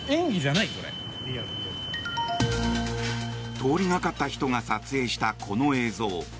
通りがかった人が撮影したこの映像。